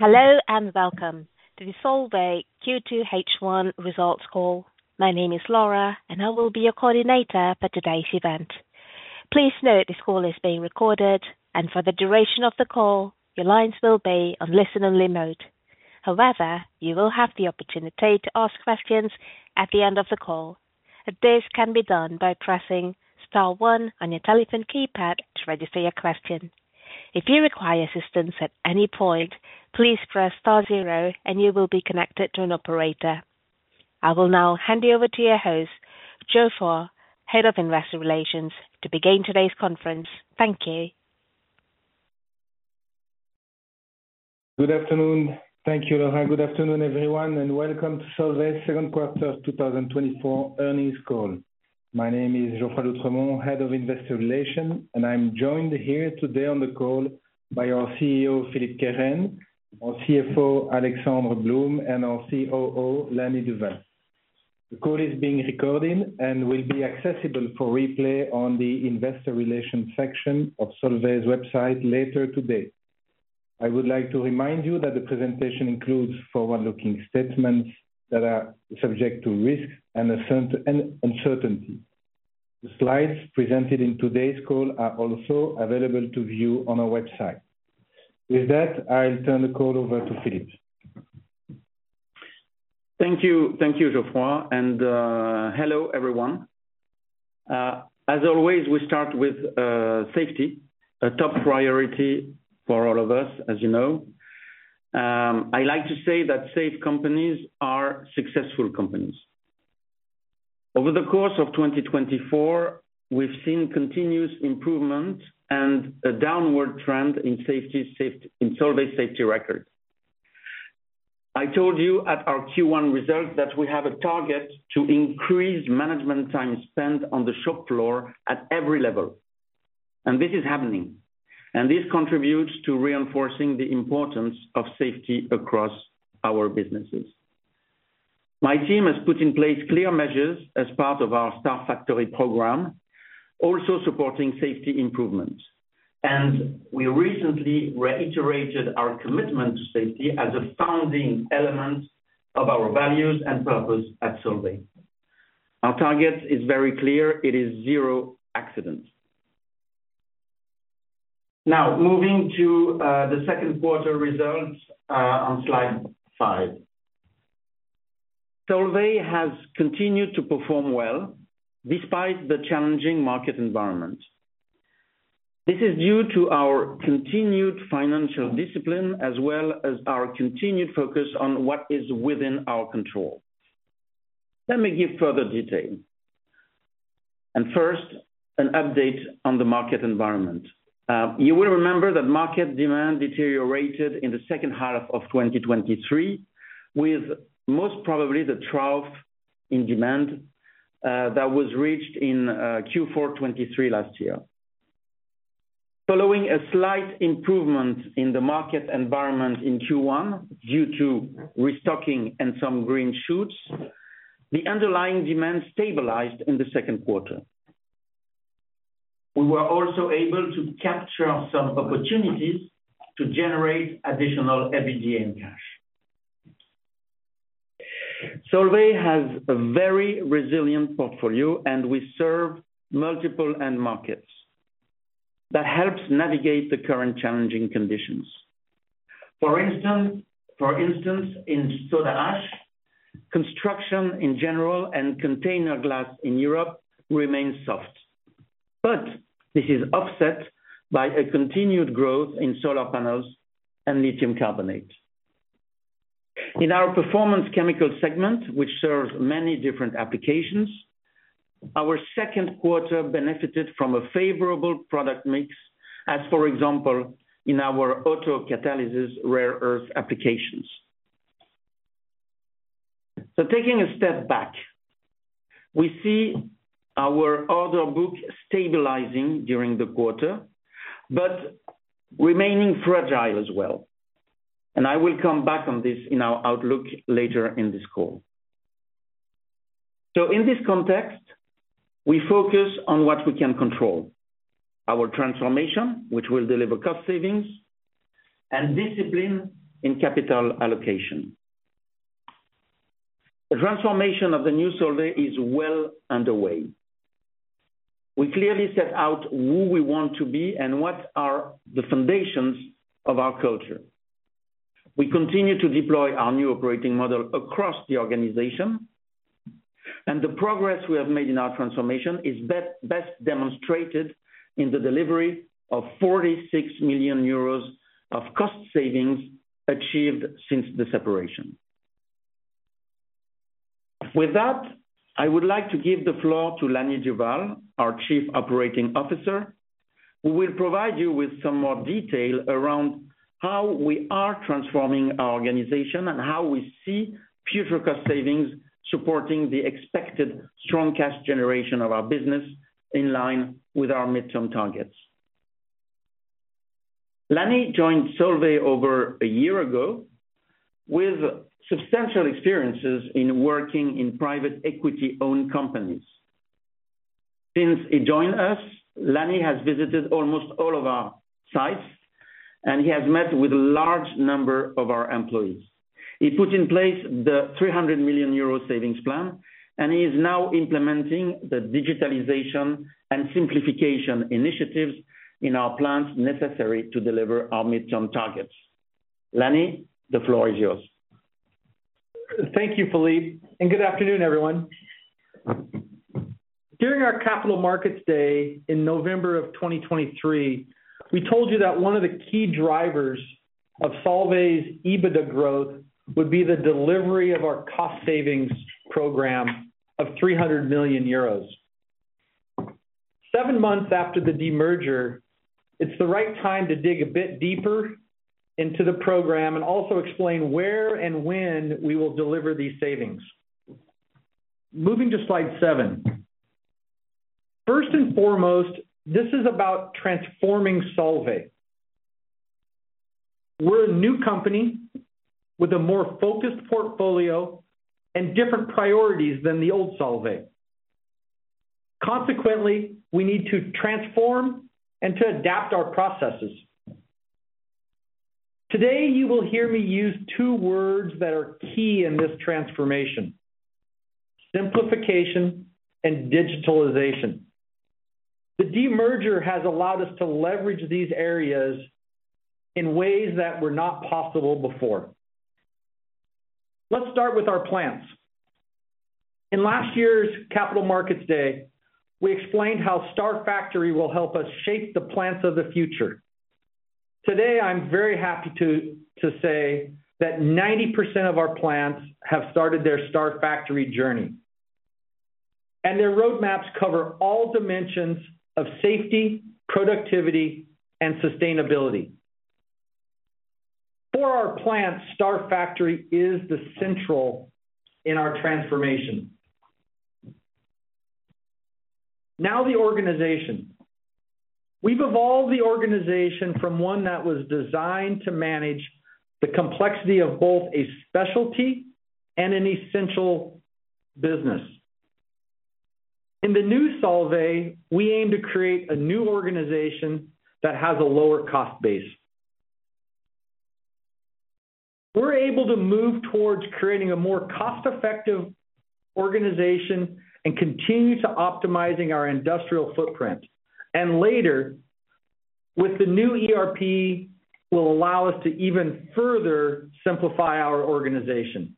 Hello and welcome to the Solvay Q2H1 results call. My name is Laura, and I will be your coordinator for today's event. Please note this call is being recorded, and for the duration of the call, your lines will be on listen-only mode. However, you will have the opportunity to ask questions at the end of the call. This can be done by pressing star one on your telephone keypad to register your question. If you require assistance at any point, please press star zero, and you will be connected to an operator. I will now hand you over to your host, Geoffroy, Head of Investor Relations, to begin today's conference. Thank you. Good afternoon. Thank you, Laura. Good afternoon, everyone, and welcome to Solvay's second quarter 2024 earnings call. My name is Geoffroy d'Oultremont, Head of Investor Relations, and I'm joined here today on the call by our CEO, Philippe Kehren, our CFO, Alexandre Blum, and our COO, Lanny Duvall. The call is being recorded and will be accessible for replay on the investor relations section of Solvay's website later today. I would like to remind you that the presentation includes forward-looking statements that are subject to risks and uncertainty. The slides presented in today's call are also available to view on our website. With that, I'll turn the call over to Philippe. Thank you, Geoffroy, and hello, everyone. As always, we start with safety, a top priority for all of us, as you know. I like to say that safe companies are successful companies. Over the course of 2024, we've seen continuous improvement and a downward trend in Solvay's safety record. I told you at our Q1 result that we have a target to increase management time spent on the shop floor at every level, and this is happening, and this contributes to reinforcing the importance of safety across our businesses. My team has put in place clear measures as part of our Star Factory program, also supporting safety improvements, and we recently reiterated our commitment to safety as a founding element of our values and purpose at Solvay. Our target is very clear. It is zero accidents. Now, moving to the second quarter results on slide 5. Solvay has continued to perform well despite the challenging market environment. This is due to our continued financial discipline as well as our continued focus on what is within our control. Let me give further detail. First, an update on the market environment. You will remember that market demand deteriorated in the second half of 2023, with most probably the trough in demand that was reached in Q4 23 last year. Following a slight improvement in the market environment in Q1 due to restocking and some green shoots, the underlying demand stabilized in the second quarter. We were also able to capture some opportunities to generate additional EBITDA in cash. Solvay has a very resilient portfolio, and we serve multiple end markets. That helps navigate the current challenging conditions. For instance, in soda ash, construction in general and container glass in Europe remains soft, but this is offset by a continued growth in solar panels and lithium carbonate. In our Performance Chemical segment, which serves many different applications, our second quarter benefited from a favorable product mix, as for example, in our autocatalysis rare earth applications. So taking a step back, we see our order book stabilizing during the quarter, but remaining fragile as well. And I will come back on this in our outlook later in this call. So in this context, we focus on what we can control: our transformation, which will deliver cost savings, and discipline in capital allocation. The transformation of the new Solvay is well underway. We clearly set out who we want to be and what are the foundations of our culture. We continue to deploy our new operating model across the organization, and the progress we have made in our transformation is best demonstrated in the delivery of 46 million euros of cost savings achieved since the separation. With that, I would like to give the floor to Lanny Duvall, our Chief Operating Officer, who will provide you with some more detail around how we are transforming our organization and how we see future cost savings supporting the expected strong cash generation of our business in line with our midterm targets. Lanny joined Solvay over a year ago with substantial experiences in working in private equity-owned companies. Since he joined us, Lanny has visited almost all of our sites, and he has met with a large number of our employees. He put in place the 300 million euro savings plan, and he is now implementing the digitalization and simplification initiatives in our plans necessary to deliver our midterm targets. Lanny, the floor is yours. Thank you, Philippe, and good afternoon, everyone. During our Capital Markets Day in November of 2023, we told you that one of the key drivers of Solvay's EBITDA growth would be the delivery of our cost savings program of 300 million euros. Seven months after the demerger, it's the right time to dig a bit deeper into the program and also explain where and when we will deliver these savings. Moving to slide seven. First and foremost, this is about transforming Solvay. We're a new company with a more focused portfolio and different priorities than the old Solvay. Consequently, we need to transform and to adapt our processes. Today, you will hear me use two words that are key in this transformation: simplification and digitalization. The demerger has allowed us to leverage these areas in ways that were not possible before. Let's start with our plants. In last year's Capital Markets Day, we explained how Star Factory will help us shape the plants of the future. Today, I'm very happy to say that 90% of our plants have started their Star Factory journey, and their roadmaps cover all dimensions of safety, productivity, and sustainability. For our plants, Star Factory is the central in our transformation. Now, the organization. We've evolved the organization from one that was designed to manage the complexity of both a specialty and an essential business. In the new Solvay, we aim to create a new organization that has a lower cost base. We're able to move towards creating a more cost-effective organization and continue to optimize our industrial footprint. Later, with the new ERP, it will allow us to even further simplify our organization.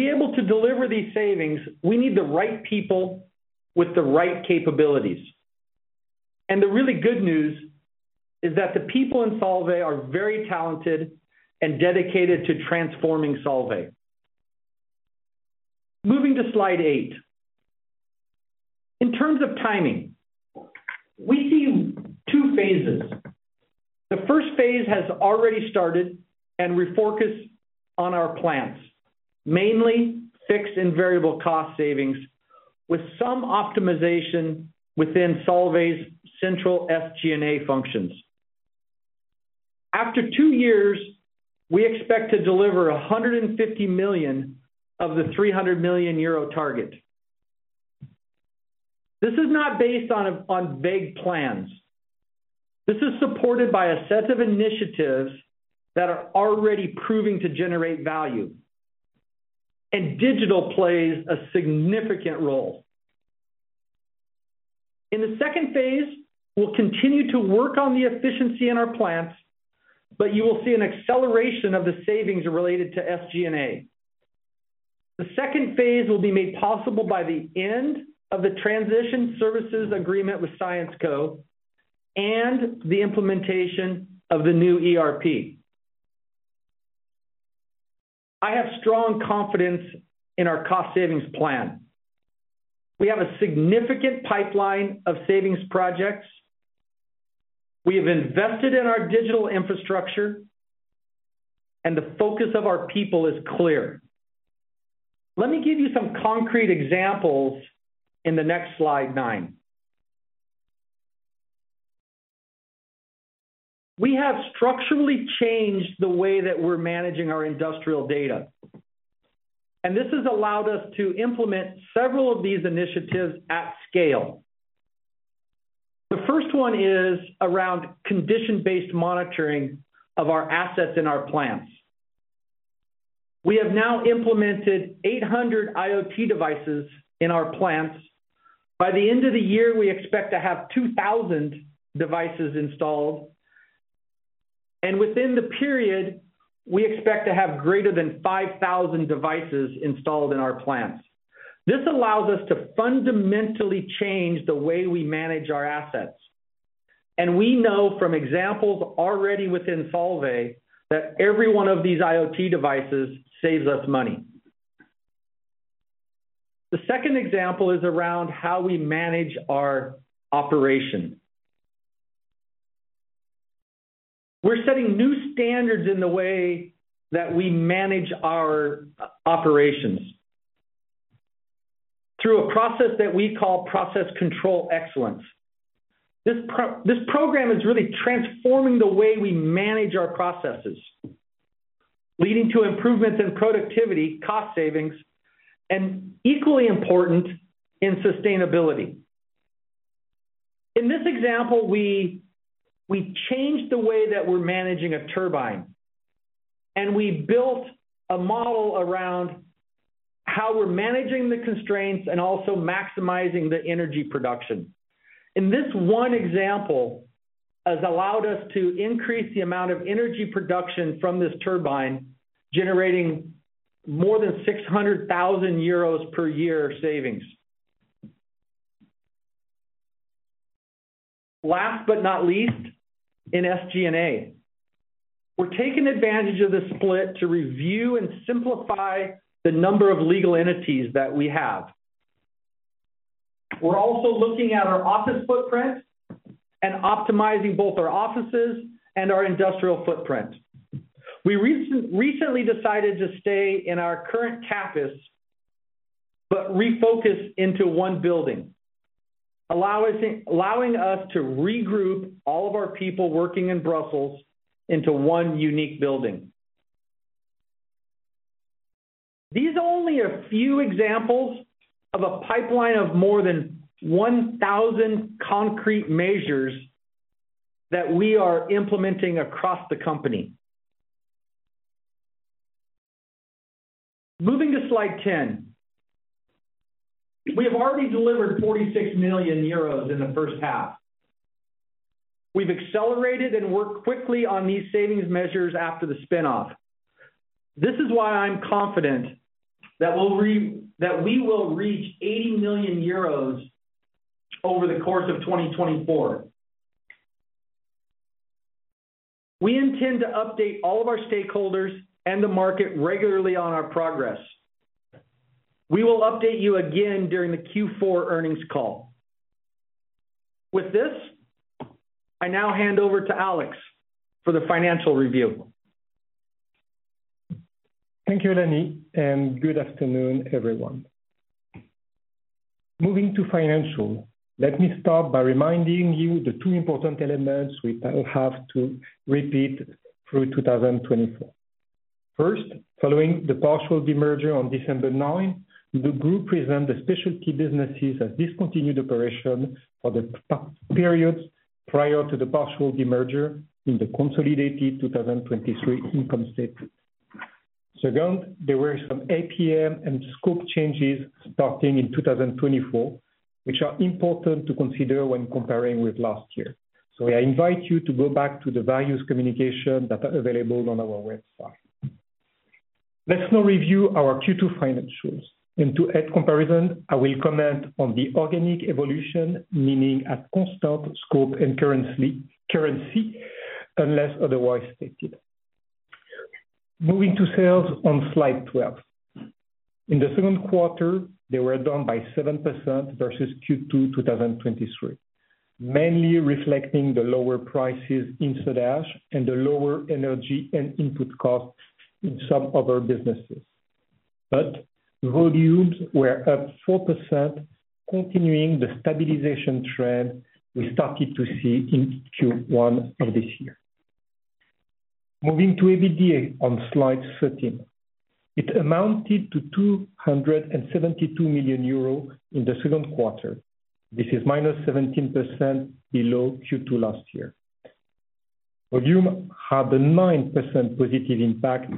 To be able to deliver these savings, we need the right people with the right capabilities. The really good news is that the people in Solvay are very talented and dedicated to transforming Solvay. Moving to slide 8. In terms of timing, we see two phases. The first phase has already started, and we focus on our plants, mainly fixed and variable cost savings with some optimization within Solvay's central SG&A functions. After two years, we expect to deliver 150 million of the 300 million euro target. This is not based on vague plans. This is supported by a set of initiatives that are already proving to generate value, and digital plays a significant role. In the second phase, we'll continue to work on the efficiency in our plants, but you will see an acceleration of the savings related to SG&A. The second phase will be made possible by the end of the transition services agreement with Syensqo and the implementation of the new ERP. I have strong confidence in our cost savings plan. We have a significant pipeline of savings projects. We have invested in our digital infrastructure, and the focus of our people is clear. Let me give you some concrete examples in the next slide 9. We have structurally changed the way that we're managing our industrial data, and this has allowed us to implement several of these initiatives at scale. The first one is around condition-based monitoring of our assets in our plants. We have now implemented 800 IoT devices in our plants. By the end of the year, we expect to have 2,000 devices installed, and within the period, we expect to have greater than 5,000 devices installed in our plants. This allows us to fundamentally change the way we manage our assets. We know from examples already within Solvay that every one of these IoT devices saves us money. The second example is around how we manage our operation. We're setting new standards in the way that we manage our operations through a process that we call Process Control Excellence. This program is really transforming the way we manage our processes, leading to improvements in productivity, cost savings, and equally important in sustainability. In this example, we changed the way that we're managing a turbine, and we built a model around how we're managing the constraints and also maximizing the energy production. In this one example, it has allowed us to increase the amount of energy production from this turbine, generating more than 600,000 euros per year savings. Last but not least, in SG&A, we're taking advantage of the split to review and simplify the number of legal entities that we have. We're also looking at our office footprint and optimizing both our offices and our industrial footprint. We recently decided to stay in our current campus but refocus into one building, allowing us to regroup all of our people working in Brussels into one unique building. These are only a few examples of a pipeline of more than 1,000 concrete measures that we are implementing across the company. Moving to slide 10, we have already delivered 46 million euros in the first half. We've accelerated and worked quickly on these savings measures after the spinoff. This is why I'm confident that we will reach 80 million euros over the course of 2024. We intend to update all of our stakeholders and the market regularly on our progress. We will update you again during the Q4 earnings call. With this, I now hand over to Alex for the financial review. Thank you, Lanny, and good afternoon, everyone. Moving to financial, let me start by reminding you the two important elements we have to repeat through 2024. First, following the partial demerger on December 9, the group presented the specialty businesses as discontinued operations for the period prior to the partial demerger in the consolidated 2023 income statement. Second, there were some APM and scope changes starting in 2024, which are important to consider when comparing with last year. So I invite you to go back to the values communication that are available on our website. Let's now review our Q2 financials. And to add comparison, I will comment on the organic evolution, meaning at constant scope and currency unless otherwise stated. Moving to sales on slide 12. In the second quarter, they were down by 7% versus Q2 2023, mainly reflecting the lower prices in soda ash and the lower energy and input costs in some other businesses. Volumes were up 4%, continuing the stabilization trend we started to see in Q1 of this year. Moving to EBITDA on slide 13, it amounted to 272 million euros in the second quarter. This is minus 17% below Q2 last year. Volume had a 9% positive impact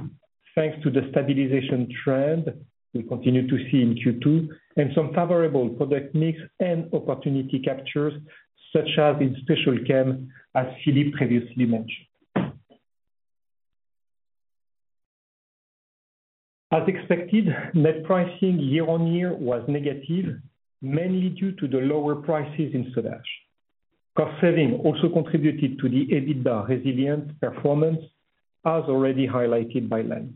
thanks to the stabilization trend we continue to see in Q2 and some favorable product mix and opportunity captures, such as in Special Chem as Philippe previously mentioned. As expected, net pricing year-on-year was negative, mainly due to the lower prices in soda ash. Cost saving also contributed to the EBITDA resilient performance, as already highlighted by Lanny.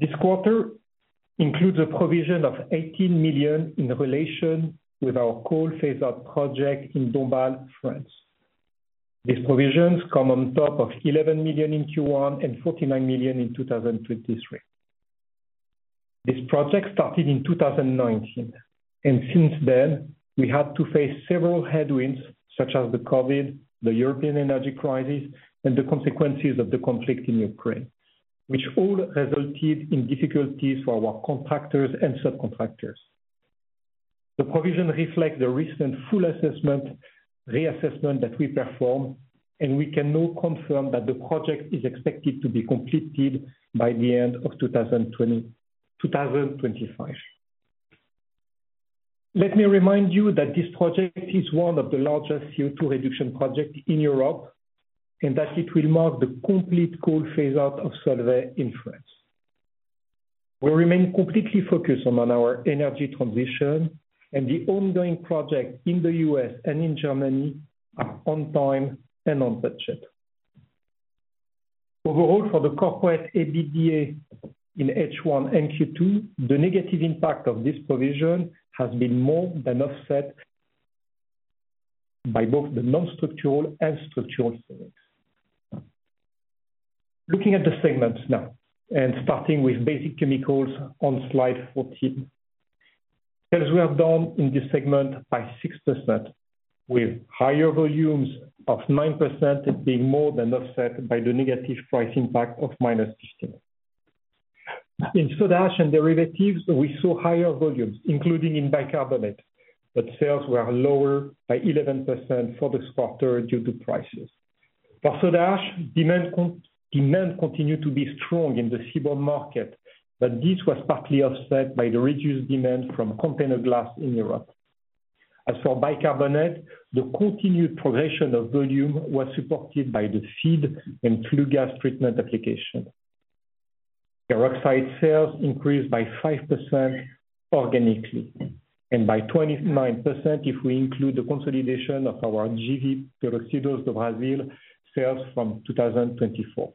This quarter includes a provision of 18 million in relation with our coal phase-out project in Dombasle-sur-Meurthe, France. These provisions come on top of 11 million in Q1 and 49 million in 2023. This project started in 2019, and since then, we had to face several headwinds, such as the COVID, the European energy crisis, and the consequences of the conflict in Ukraine, which all resulted in difficulties for our contractors and subcontractors. The provision reflects the recent full reassessment that we performed, and we can now confirm that the project is expected to be completed by the end of 2025. Let me remind you that this project is one of the largest CO2 reduction projects in Europe and that it will mark the complete coal phase-out of Solvay in France. We remain completely focused on our energy transition, and the ongoing projects in the U.S. and in Germany are on time and on budget. Overall, for the corporate EBITDA in H1 and Q2, the negative impact of this provision has been more than offset by both the non-structural and structural savings. Looking at the segments now and starting with Basic Chemicals on slide 14, sales were down in this segment by 6%, with higher volumes of 9% being more than offset by the negative price impact of minus 15%. In Soda Ash & derivatives, we saw higher volumes, including in bicarbonate, but sales were lower by 11% for the quarter due to prices. For Soda Ash, demand continued to be strong in the seaborne market, but this was partly offset by the reduced demand from container glass in Europe. As for bicarbonate, the continued progression of volume was supported by the feed and flue gas treatment application. Peroxides sales increased by 5% organically and by 29% if we include the consolidation of our JV, Peróxidos do Brasil, sales from 2024.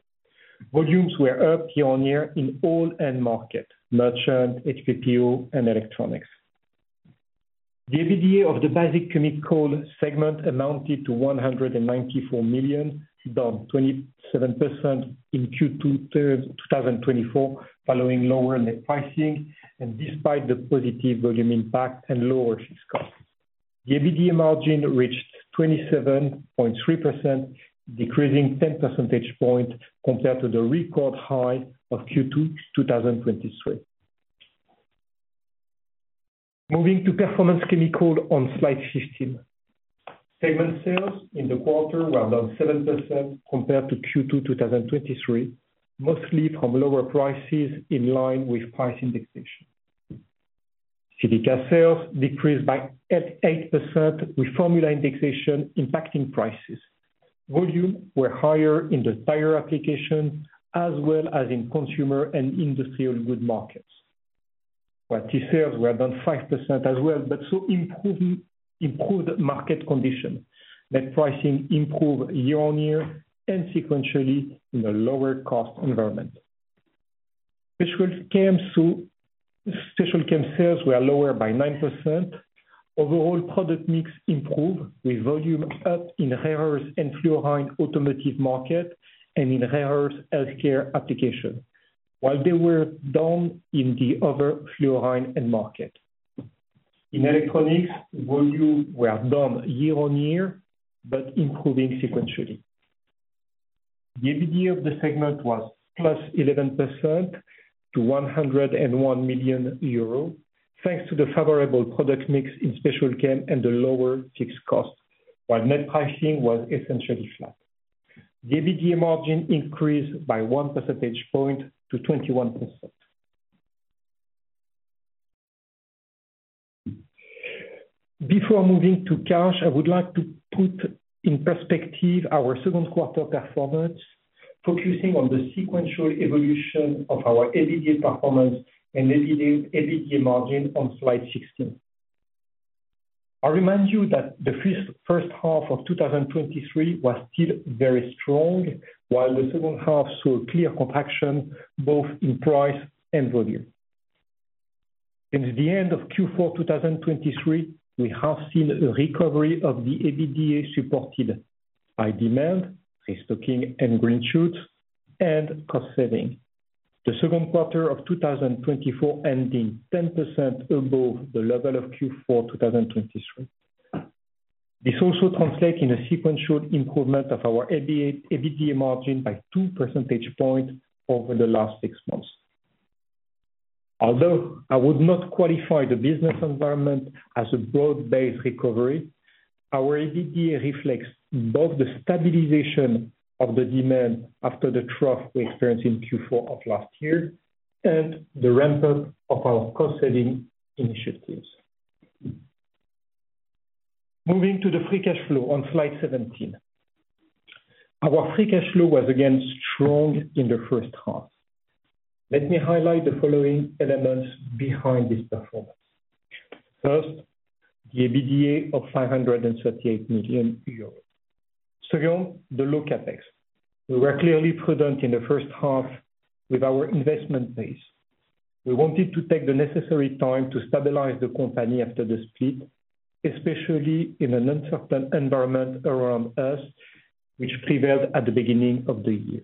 Volumes were up year-on-year in all end markets, merchant, HPPO, and electronics. The EBITDA of the basic chemical segment amounted to 194 million, down 27% in Q2 2024 following lower net pricing and despite the positive volume impact and lower fixed costs. The EBITDA margin reached 27.3%, decreasing 10 percentage points compared to the record high of Q2 2023. Moving to performance chemical on slide 15, segment sales in the quarter were down 7% compared to Q2 2023, mostly from lower prices in line with price indexation. Silica sales decreased by 8%, with formula indexation impacting prices. Volumes were higher in the tire application as well as in consumer and industrial good markets. Silica sales were down 5% as well, but sales improved market conditions. Net pricing improved year-on-year and sequentially in a lower cost environment. Special Chem sales were lower by 9%. Overall, product mix improved with volume up in rare earth and fluoride automotive market and in rare earth healthcare applications, while they were down in the other fluoride end market. In electronics, volumes were down year-on-year, but improving sequentially. The EBITDA of the segment was +11% to 101 million euros, thanks to the favorable product mix in Special Chem and the lower fixed cost, while net pricing was essentially flat. The EBITDA margin increased by 1 percentage point to 21%. Before moving to cash, I would like to put in perspective our second quarter performance, focusing on the sequential evolution of our EBITDA performance and EBITDA margin on slide 16. I remind you that the first half of 2023 was still very strong, while the second half saw a clear contraction both in price and volume. Since the end of Q4 2023, we have seen a recovery of the EBITDA supported by demand, restocking, and green shoots, and cost saving. The second quarter of 2024 ending 10% above the level of Q4 2023. This also translates in a sequential improvement of our EBITDA margin by 2 percentage points over the last six months. Although I would not qualify the business environment as a broad-based recovery, our EBITDA reflects both the stabilization of the demand after the trough we experienced in Q4 of last year and the ramp-up of our cost-saving initiatives. Moving to the free cash flow on slide 17. Our free cash flow was again strong in the first half. Let me highlight the following elements behind this performance. First, the EBITDA of 538 million euros. Second, the low CapEx. We were clearly prudent in the first half with our investment base. We wanted to take the necessary time to stabilize the company after the split, especially in an uncertain environment around us, which prevailed at the beginning of the year.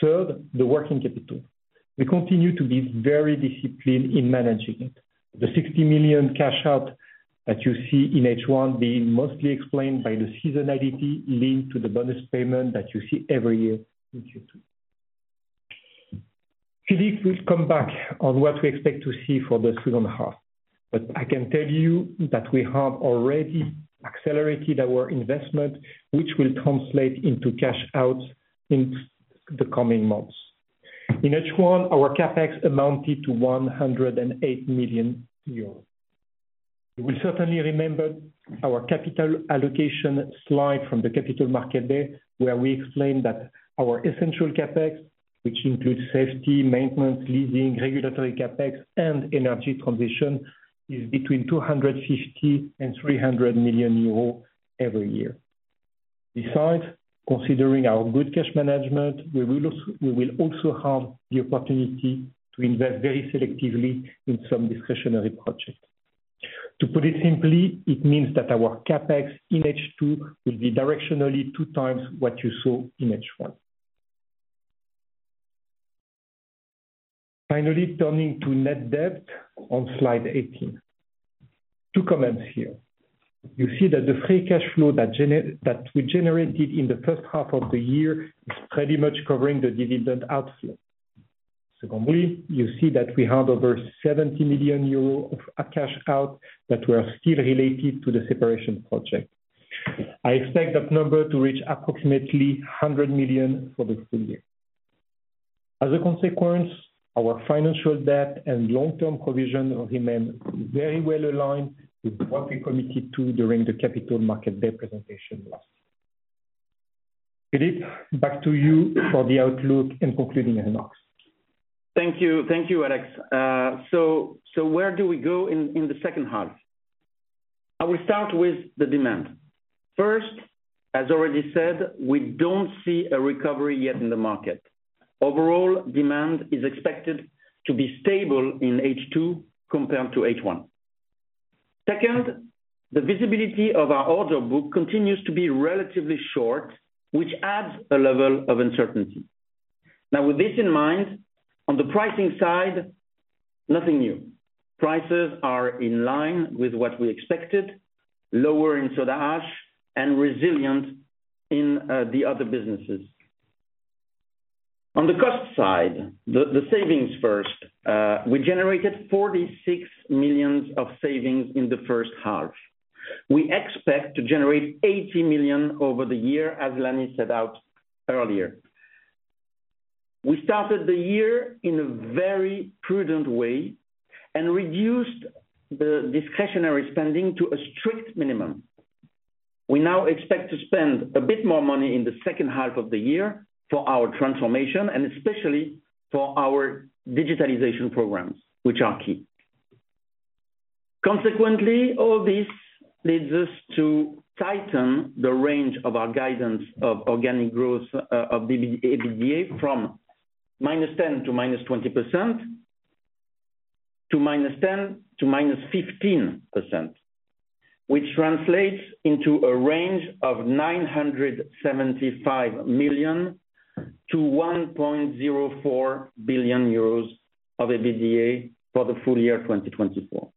Third, the working capital. We continue to be very disciplined in managing it. The 60 million cash-out that you see in H1 being mostly explained by the seasonality linked to the bonus payment that you see every year in Q2. Philippe will come back on what we expect to see for the second half, but I can tell you that we have already accelerated our investment, which will translate into cash-outs in the coming months. In H1, our CapEx amounted to 108 million euros. You will certainly remember our capital allocation slide from the Capital Markets Day, where we explained that our essential CapEx, which includes safety, maintenance, leasing, regulatory CapEx, and energy transition, is between 250 million and 300 million euros every year. Besides, considering our good cash management, we will also have the opportunity to invest very selectively in some discretionary projects. To put it simply, it means that our CapEx in H2 will be directionally two times what you saw in H1. Finally, turning to net debt on slide 18. Two comments here. You see that the free cash flow that we generated in the first half of the year is pretty much covering the dividend outflow. Secondly, you see that we had over 70 million euros of cash-out that were still related to the separation project. I expect that number to reach approximately 100 million for the full year. As a consequence, our financial debt and long-term provision remain very well aligned with what we committed to during the Capital Markets Day presentation last year. Philippe, back to you for the outlook and concluding remarks. Thank you, Alex. So where do we go in the second half? I will start with the demand. First, as already said, we don't see a recovery yet in the market. Overall, demand is expected to be stable in H2 compared to H1. Second, the visibility of our order book continues to be relatively short, which adds a level of uncertainty. Now, with this in mind, on the pricing side, nothing new. Prices are in line with what we expected, lower in soda ash and resilient in the other businesses. On the cost side, the savings first. We generated 46 million of savings in the first half. We expect to generate 80 million over the year, as Lanny said earlier. We started the year in a very prudent way and reduced the discretionary spending to a strict minimum. We now expect to spend a bit more money in the second half of the year for our transformation and especially for our digitalization programs, which are key. Consequently, all this leads us to tighten the range of our guidance of organic growth of EBITDA from -10% to -20% to -10% to -15%, which translates into a range of 975 million-1.04 billion euros of EBITDA for the full year 2024.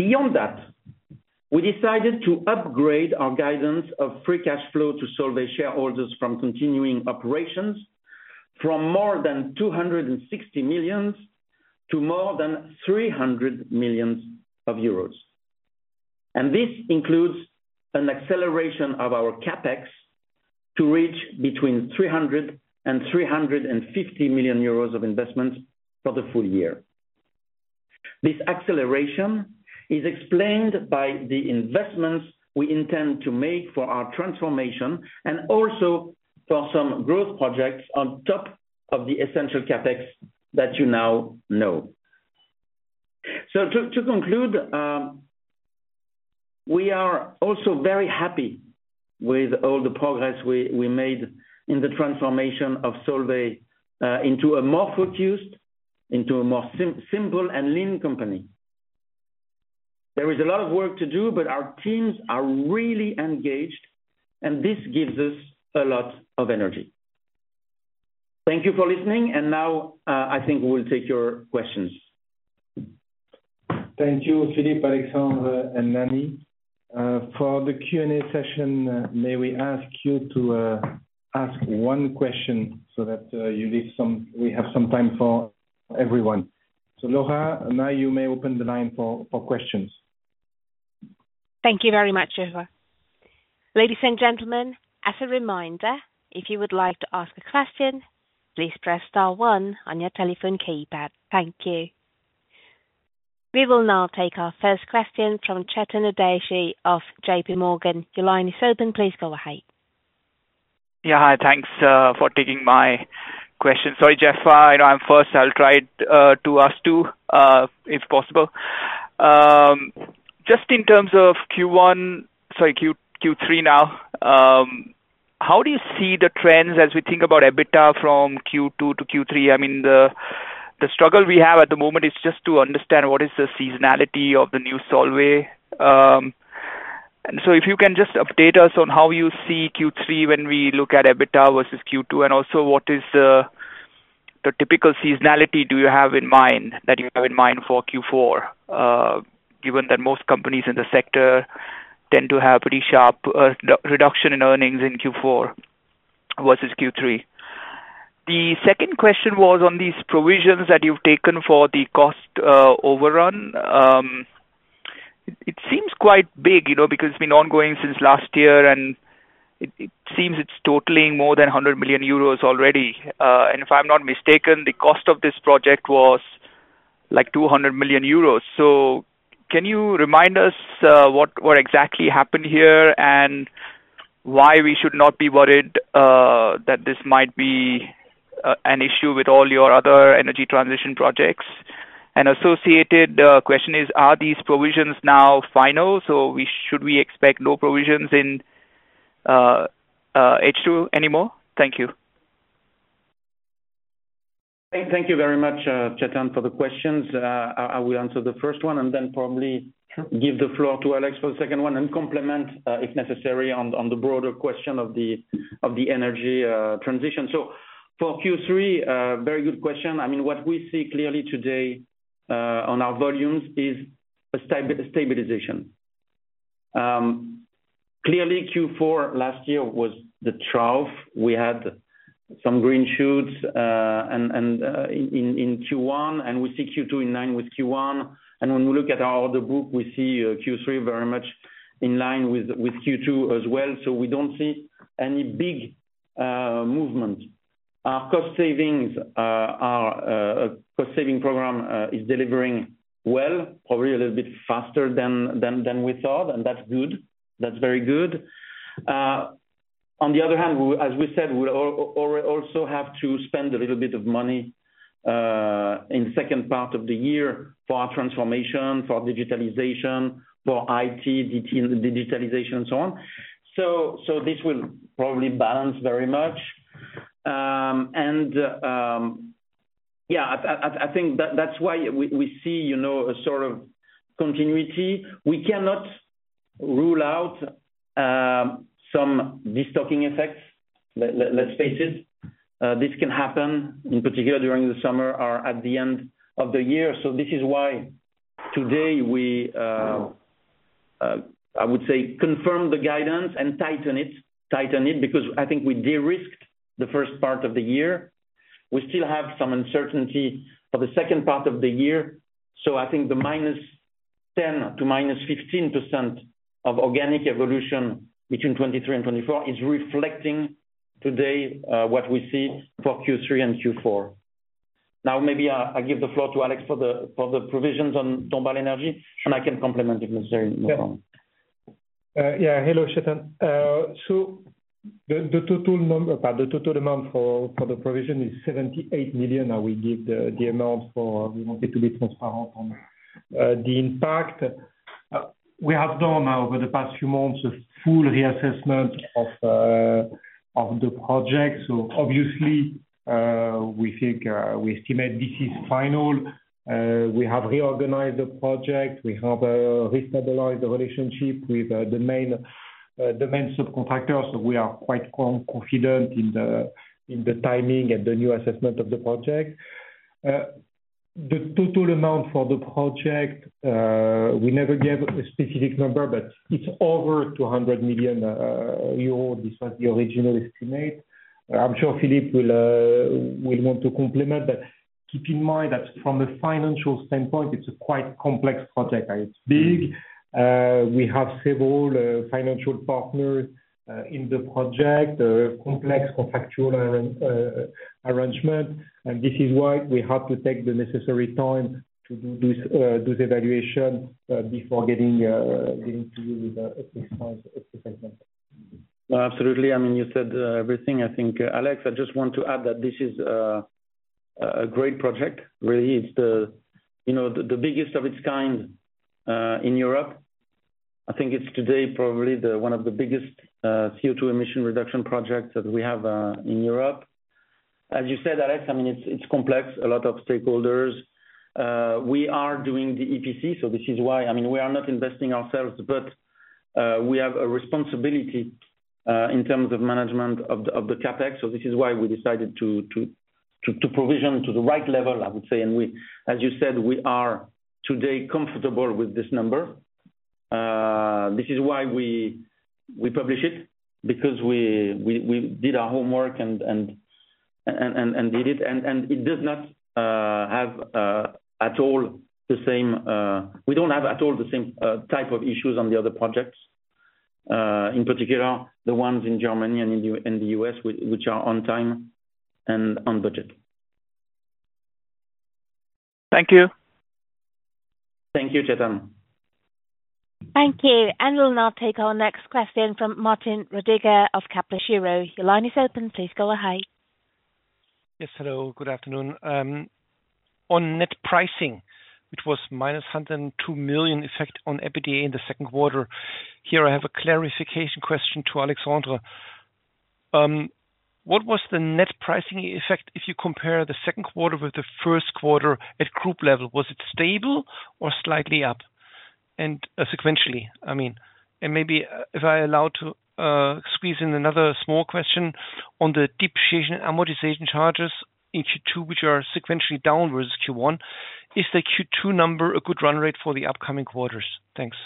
Beyond that, we decided to upgrade our guidance of free cash flow to Solvay shareholders from continuing operations from more than 260 million to more than 300 million of euros. This includes an acceleration of our CapEx to reach between 300 and 350 million euros of investments for the full year. This acceleration is explained by the investments we intend to make for our transformation and also for some growth projects on top of the essential CapEx that you now know. So to conclude, we are also very happy with all the progress we made in the transformation of Solvay into a more focused, into a more simple and lean company. There is a lot of work to do, but our teams are really engaged, and this gives us a lot of energy. Thank you for listening, and now I think we'll take your questions. Thank you, Philippe, Alexandre, and Lanny. For the Q&A session, may we ask you to ask one question so that we have some time for everyone? Laura, now you may open the line for questions. Thank you very much, Eva. Ladies and gentlemen, as a reminder, if you would like to ask a question, please press star one on your telephone keypad. Thank you. We will now take our first question from Chetan Udeshi of JPMorgan. Your line is open. Please go ahead. Yeah, hi. Thanks for taking my question. Sorry, Geoff. I'm first. I'll try to ask two if possible. Just in terms of Q1, sorry, Q3 now, how do you see the trends as we think about EBITDA from Q2-Q3? I mean, the struggle we have at the moment is just to understand what is the seasonality of the new Solvay. And so if you can just update us on how you see Q3 when we look at EBITDA versus Q2, and also what is the typical seasonality do you have in mind that you have in mind for Q4, given that most companies in the sector tend to have a pretty sharp reduction in earnings in Q4 versus Q3. The second question was on these provisions that you've taken for the cost overrun. It seems quite big because it's been ongoing since last year, and it seems it's totaling more than 100 million euros already. If I'm not mistaken, the cost of this project was like 200 million euros. Can you remind us what exactly happened here and why we should not be worried that this might be an issue with all your other energy transition projects? Associated question is, are these provisions now final? Should we expect no provisions in H2 anymore? Thank you. Thank you very much, Chetan, for the questions. I will answer the first one and then probably give the floor to Alex for the second one and complement if necessary on the broader question of the energy transition. So for Q3, very good question. I mean, what we see clearly today on our volumes is a stabilization. Clearly, Q4 last year was the trough. We had some green shoots in Q1, and we see Q2 in line with Q1. And when we look at our order book, we see Q3 very much in line with Q2 as well. So we don't see any big movement. Our cost savings program is delivering well, probably a little bit faster than we thought, and that's good. That's very good. On the other hand, as we said, we'll also have to spend a little bit of money in the second part of the year for our transformation, for digitalization, for IT digitalization, and so on. So this will probably balance very much. And yeah, I think that's why we see a sort of continuity. We cannot rule out some destocking effects, let's face it. This can happen in particular during the summer or at the end of the year. So this is why today we, I would say, confirmed the guidance and tightened it because I think we de-risked the first part of the year. We still have some uncertainty for the second part of the year. So I think the -10% to -15% of organic evolution between 2023 and 2024 is reflecting today what we see for Q3 and Q4. Now, maybe I'll give the floor to Alex for the provisions on Dombasle Energy, and I can complement if necessary. Yeah, hello, Chetan. So the total amount for the provision is 78 million. We give the amount for we wanted to be transparent on the impact. We have done over the past few months a full reassessment of the project. So obviously, we think we estimate this is final. We have reorganized the project. We have re-stabilized the relationship with the main subcontractor. So we are quite confident in the timing and the new assessment of the project. The total amount for the project, we never gave a specific number, but it's over 200 million euro. This was the original estimate. I'm sure Philippe will want to complement, but keep in mind that from a financial standpoint, it's a quite complex project. It's big. We have several financial partners in the project, complex contractual arrangement, and this is why we had to take the necessary time to do this evaluation before getting to you with this assessment. Absolutely. I mean, you said everything. I think, Alex, I just want to add that this is a great project. Really, it's the biggest of its kind in Europe. I think it's today probably one of the biggest CO2 emission reduction projects that we have in Europe. As you said, Alex, I mean, it's complex, a lot of stakeholders. We are doing the EPC, so this is why. I mean, we are not investing ourselves, but we have a responsibility in terms of management of the CapEx. So this is why we decided to provision to the right level, I would say. As you said, we are today comfortable with this number. This is why we publish it, because we did our homework and did it. It does not have at all the same. We don't have at all the same type of issues on the other projects, in particular the ones in Germany and in the U.S., which are on time and on budget. Thank you. Thank you, Chetan. Thank you. We'll now take our next question from Martin Roediger of Kepler Cheuvreux. Your line is open. Please go ahead. Yes, hello. Good afternoon. On net pricing, which was minus 102 million effect on EBITDA in the second quarter, here I have a clarification question to Alexandre. What was the net pricing effect if you compare the second quarter with the first quarter at group level? Was it stable or slightly up? And sequentially, I mean. And maybe if I allow to squeeze in another small question on the depreciation and amortization charges in Q2, which are sequentially down versus Q1, is the Q2 number a good run rate for the upcoming quarters? Thanks.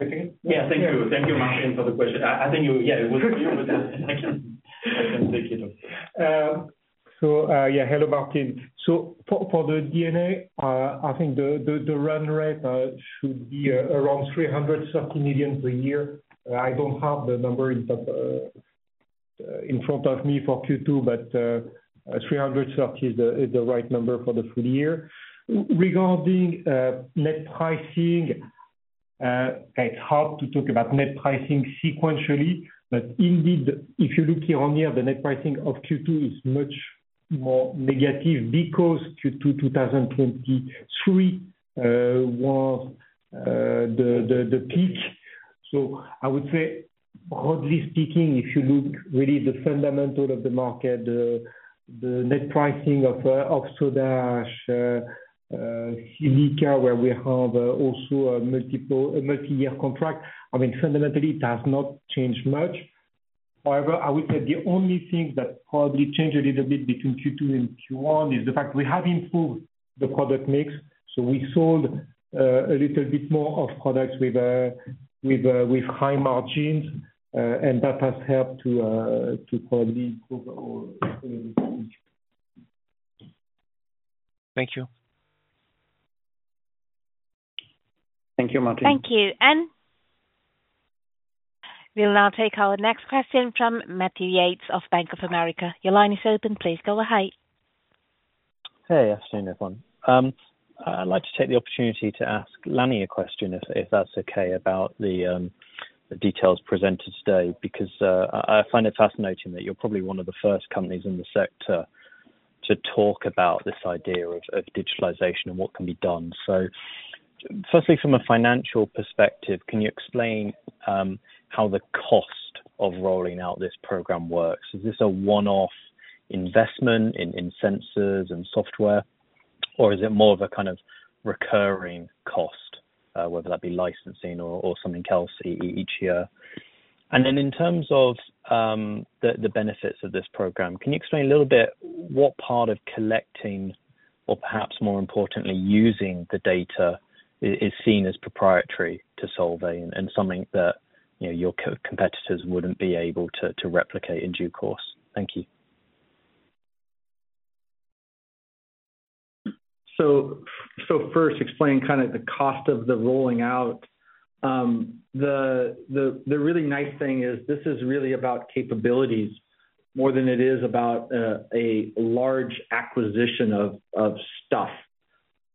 Yeah, thank you. Thank you, Martin, for the question. I think you, yeah, it was clear with the second. I can take it. Yeah, hello, Martin. For the D&A, I think the run rate should be around 330 million per year. I don't have the number in front of me for Q2, but 330 is the right number for the full year. Regarding net pricing, it's hard to talk about net pricing sequentially, but indeed, if you look here on here, the net pricing of Q2 is much more negative because Q2 2023 was the peak. So I would say, broadly speaking, if you look really at the fundamental of the market, the net pricing of Soda Ash, Silica, where we have also a multi-year contract, I mean, fundamentally, it has not changed much. However, I would say the only thing that probably changed a little bit between Q2 and Q1 is the fact we have improved the product mix. We sold a little bit more of products with high margins, and that has helped to probably improve the. Thank you. Thank you, Martin. Thank you. We'll now take our next question from Matthew Yates of Bank of America. Your line is open. Please go ahead. Hey, I've seen this one. I'd like to take the opportunity to ask Lanny a question, if that's okay, about the details presented today, because I find it fascinating that you're probably one of the first companies in the sector to talk about this idea of digitalization and what can be done. So firstly, from a financial perspective, can you explain how the cost of rolling out this program works? Is this a one-off investment in sensors and software, or is it more of a kind of recurring cost, whether that be licensing or something else each year? And then in terms of the benefits of this program, can you explain a little bit what part of collecting, or perhaps more importantly, using the data is seen as proprietary to Solvay and something that your competitors wouldn't be able to replicate in due course? Thank you. So, first, explain kind of the cost of the rolling out. The really nice thing is this is really about capabilities more than it is about a large acquisition of stuff.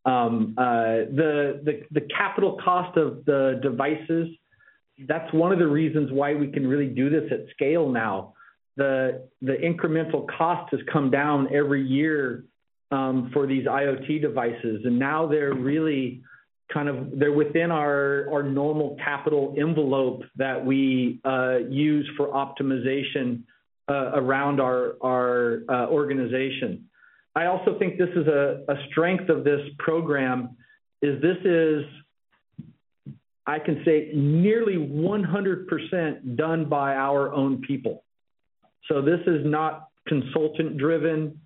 The capital cost of the devices, that's one of the reasons why we can really do this at scale now. The incremental cost has come down every year for these IoT devices, and now they're really kind of they're within our normal capital envelope that we use for optimization around our organization. I also think this is a strength of this program, is this is, I can say, nearly 100% done by our own people. So this is not consultant-driven.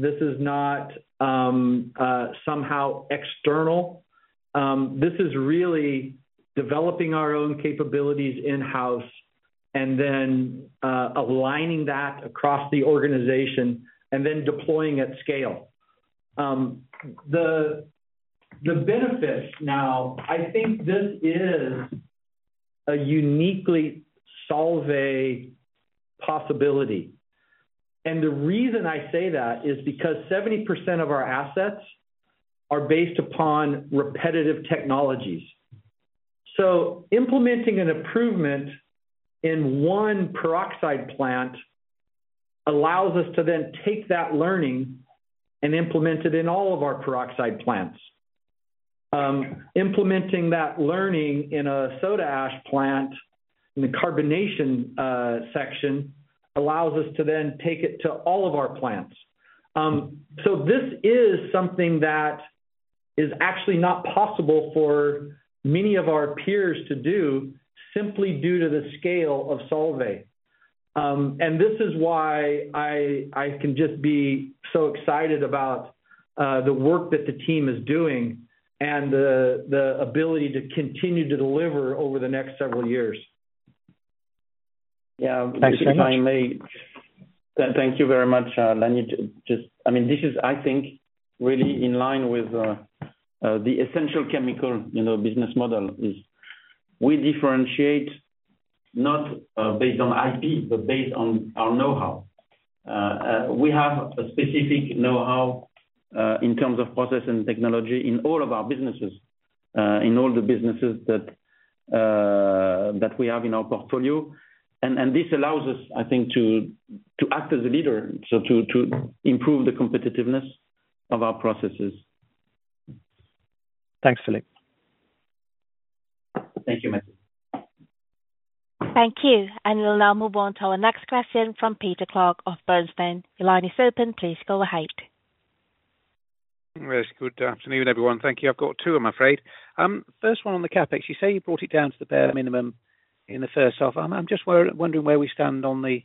This is not somehow external. This is really developing our own capabilities in-house and then aligning that across the organization and then deploying at scale. The benefits now, I think this is a uniquely Solvay possibility. The reason I say that is because 70% of our assets are based upon repetitive technologies. So implementing an improvement in one peroxide plant allows us to then take that learning and implement it in all of our peroxide plants. Implementing that learning in a soda ash plant in the carbonation section allows us to then take it to all of our plants. So this is something that is actually not possible for many of our peers to do simply due to the scale of Solvay. And this is why I can just be so excited about the work that the team is doing and the ability to continue to deliver over the next several years. Yeah. Thank you. Thank you very much, Lanny. I mean, this is, I think, really in line with the essential chemical business model. We differentiate not based on IP, but based on our know-how. We have a specific know-how in terms of process and technology in all of our businesses, in all the businesses that we have in our portfolio. And this allows us, I think, to act as a leader, so to improve the competitiveness of our processes. Thanks, Philippe. Thank you, Matthew. Thank you. We'll now move on to our next question from Peter Clark of Bernstein. please go ahead. Very good afternoon, everyone. Thank you. I've got two, I'm afraid. First one on the CapEx. You say you brought it down to the bare minimum in the first half. I'm just wondering where we stand on the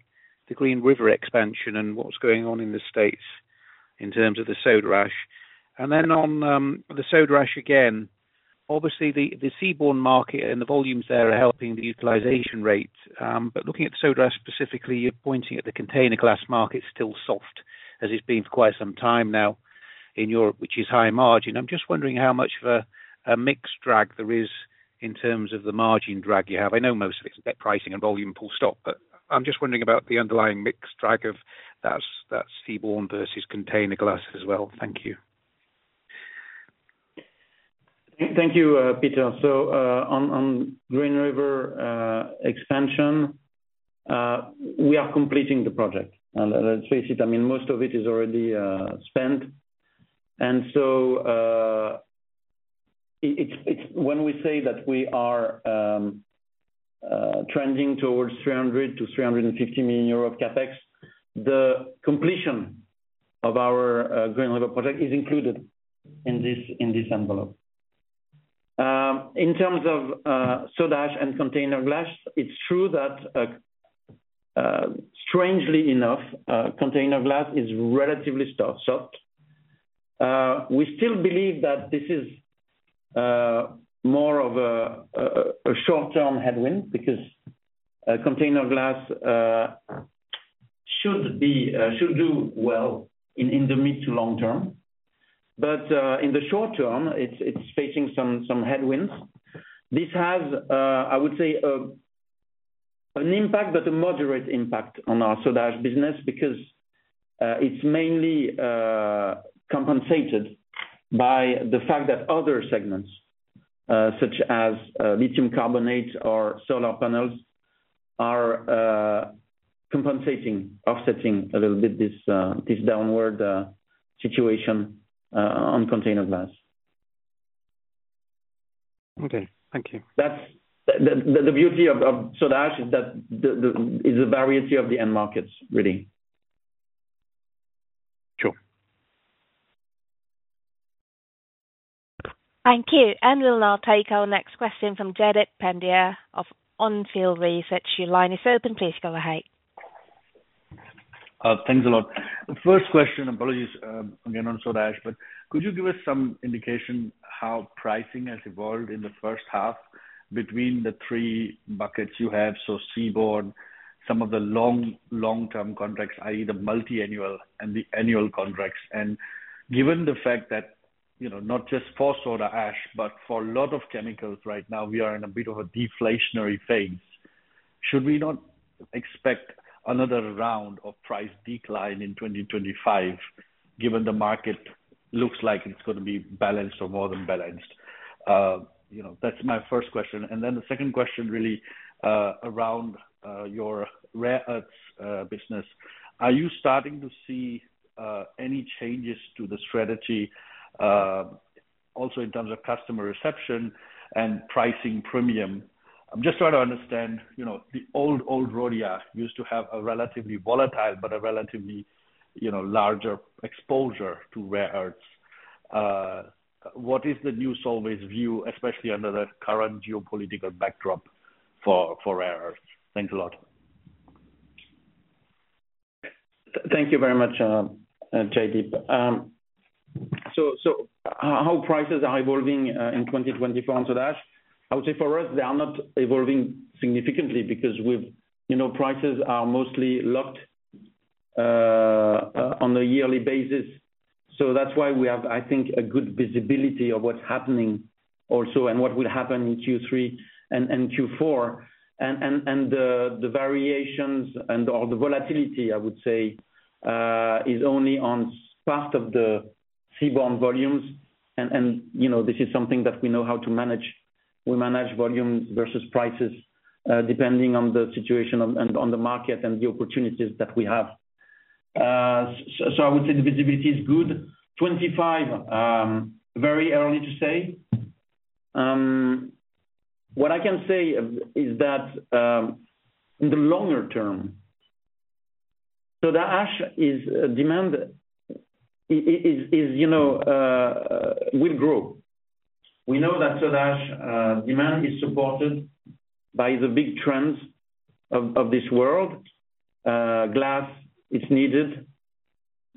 Green River expansion and what's going on in the States in terms of the soda ash. And then on the soda ash again, obviously, the seaborne market and the volumes there are helping the utilization rate. But looking at the soda ash specifically, you're pointing at the container glass market still soft, as it's been for quite some time now in Europe, which is high margin. I'm just wondering how much of a mixed drag there is in terms of the margin drag you have. I know most of it's net pricing and volume full stop, but I'm just wondering about the underlying mixed drag of that seaborne versus container glass as well. Thank you. Thank you, Peter. On Green River expansion, we are completing the project. Let's face it, I mean, most of it is already spent. When we say that we are trending towards 300 million-350 million euro CapEx, the completion of our Green River project is included in this envelope. In terms of Soda Ash and container glass, it's true that, strangely enough, container glass is relatively soft. We still believe that this is more of a short-term headwind because container glass should do well in the mid to long term. In the short term, it's facing some headwinds. This has, I would say, an impact, but a moderate impact on our Soda Ash business because it's mainly compensated by the fact that other segments, such as lithium carbonate or solar panels, are compensating, offsetting a little bit this downward situation on container glass. Okay. Thank you. The beauty of Soda Ash is the variety of the end markets, really. Sure. Thank you. And we'll now take our next question from Jaideep Pandya of Onfield Research. Lanny Duvall, please go ahead. Thanks a lot. First question, apologies again on soda ash, but could you give us some indication how pricing has evolved in the first half between the three buckets you have? So seaborne, some of the long-term contracts, i.e., the multi-annual and the annual contracts. And given the fact that not just for soda ash, but for a lot of chemicals right now, we are in a bit of a deflationary phase, should we not expect another round of price decline in 2025, given the market looks like it's going to be balanced or more than balanced? That's my first question. And then the second question, really, around your rare earths business, are you starting to see any changes to the strategy also in terms of customer reception and pricing premium? I'm just trying to understand. The old Rhodia used to have a relatively volatile, but a relatively larger exposure to rare earths. What is the new Solvay's view, especially under the current geopolitical backdrop for rare earths? Thanks a lot. Thank you very much, Jaideep. So how prices are evolving in 2024 on soda ash? I would say for us, they are not evolving significantly because prices are mostly locked on a yearly basis. So that's why we have, I think, a good visibility of what's happening also and what will happen in Q3 and Q4. And the variations and/or the volatility, I would say, is only on part of the seaborne volumes. And this is something that we know how to manage. We manage volumes versus prices depending on the situation and on the market and the opportunities that we have. So I would say the visibility is good. 2025, very early to say. What I can say is that in the longer term, Soda Ash demand will grow. We know that Soda Ash demand is supported by the big trends of this world. Glass is needed.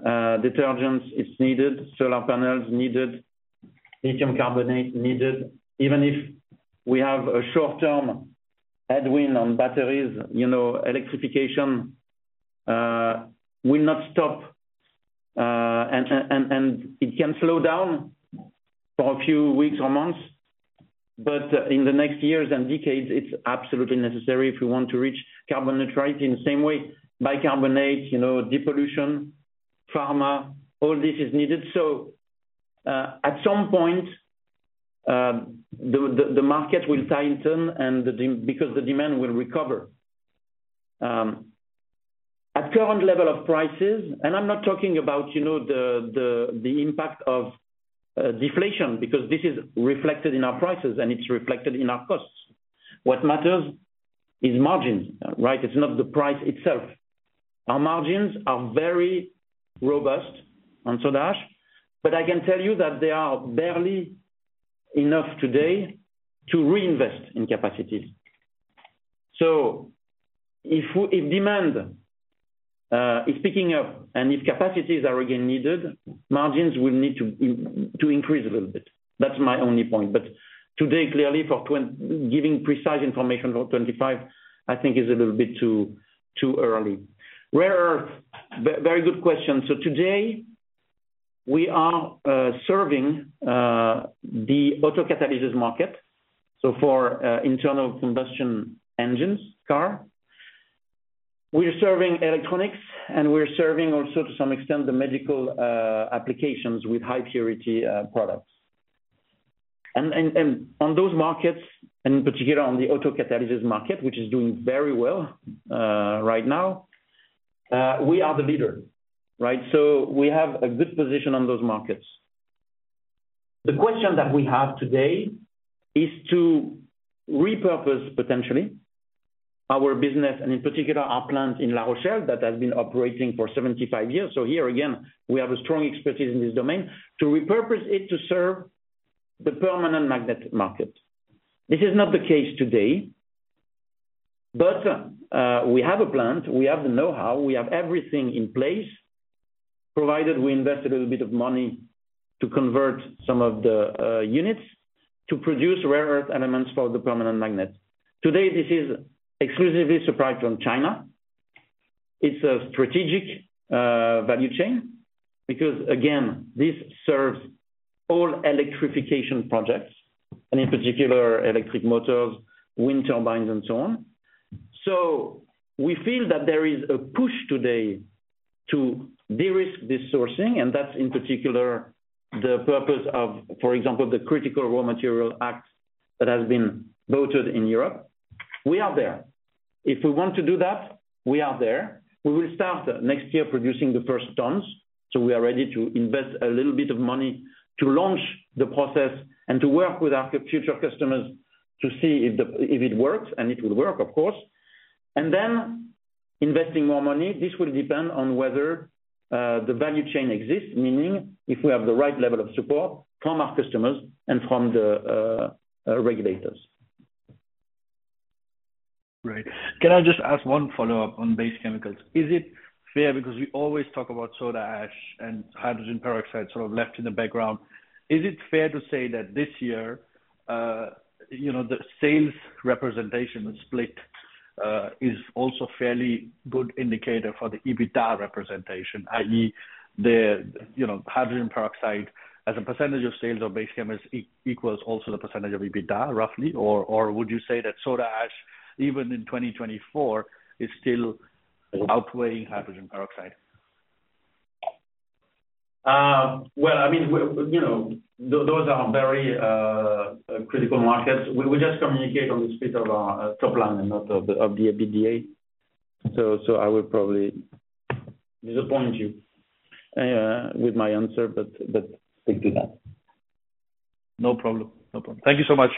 Detergents are needed. Solar panels are needed. Lithium carbonate is needed. Even if we have a short-term headwind on batteries, electrification will not stop. It can slow down for a few weeks or months. In the next years and decades, it's absolutely necessary if we want to reach carbon neutrality in the same way. Bicarbonate, depollution, pharma, all this is needed. At some point, the market will tighten because the demand will recover. At current level of prices, and I'm not talking about the impact of deflation because this is reflected in our prices and it's reflected in our costs. What matters is margins, right? It's not the price itself. Our margins are very robust on soda ash, but I can tell you that they are barely enough today to reinvest in capacities. So if demand is picking up and if capacities are again needed, margins will need to increase a little bit. That's my only point. But today, clearly, for giving precise information for 2025, I think is a little bit too early. Rare earth, very good question. So today, we are serving the auto-catalysis market. So for internal combustion engines, car, we're serving electronics, and we're serving also, to some extent, the medical applications with high purity products. And on those markets, and in particular on the auto-catalysis market, which is doing very well right now, we are the leader, right? So we have a good position on those markets. The question that we have today is to repurpose, potentially, our business and in particular our plant in La Rochelle that has been operating for 75 years. So here, again, we have a strong expertise in this domain to repurpose it to serve the permanent magnet market. This is not the case today, but we have a plant. We have the know-how. We have everything in place, provided we invest a little bit of money to convert some of the units to produce rare earth elements for the permanent magnets. Today, this is exclusively supplied from China. It's a strategic value chain because, again, this serves all electrification projects, and in particular, electric motors, wind turbines, and so on. So we feel that there is a push today to de-risk this sourcing, and that's in particular the purpose of, for example, the Critical Raw Materials Act that has been voted in Europe. We are there. If we want to do that, we are there. We will start next year producing the first tons. So we are ready to invest a little bit of money to launch the process and to work with our future customers to see if it works, and it will work, of course. And then investing more money, this will depend on whether the value chain exists, meaning if we have the right level of support from our customers and from the regulators. Right. Can I just ask one follow-up on base chemicals? Is it fair because we always talk about Soda Ash and hydrogen peroxide sort of left in the background? Is it fair to say that this year the sales representation split is also a fairly good indicator for the EBITDA representation, i.e., the hydrogen peroxide as a percentage of sales of base chemicals equals also the percentage of EBITDA, roughly? Or would you say that Soda Ash, even in 2024, is still outweighing hydrogen peroxide? Well, I mean, those are very critical markets. We just communicate on the split of our top line and not of the EBITDA. So I will probably disappoint you with my answer, but stick to that. No problem. No problem. Thank you so much.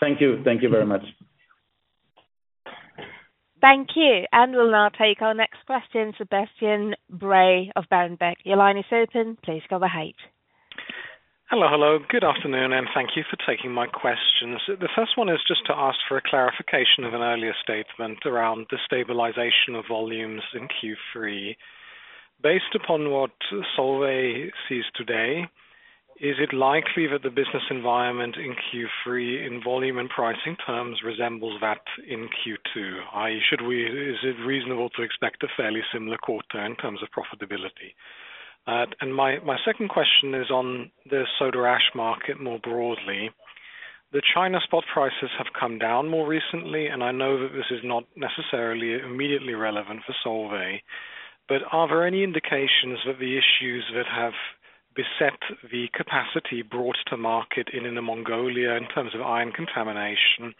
Thank you. Thank you very much. Thank you. And we'll now take our next question, Sebastian Bray of Berenberg. Your line is open. Please go ahead. Hello, hello. Good afternoon, and thank you for taking my questions. The first one is just to ask for a clarification of an earlier statement around the stabilization of volumes in Q3. Based upon what Solvay sees today, is it likely that the business environment in Q3 in volume and pricing terms resembles that in Q2? i.e., is it reasonable to expect a fairly similar quarter in terms of profitability? And my second question is on the Soda Ash market more broadly. The China spot prices have come down more recently, and I know that this is not necessarily immediately relevant for Solvay. But are there any indications that the issues that have beset the capacity brought to market in Inner Mongolia in terms of iron contamination